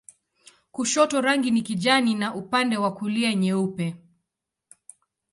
Kushoto rangi ni kijani na upande wa kulia nyeupe.